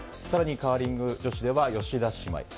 更にカーリング女子では吉田姉妹。